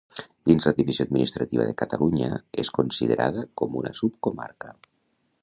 Dins la divisió administrativa de Catalunya és considerada com una subcomarca.